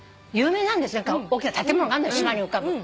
大きな建物があんの島に浮かぶ。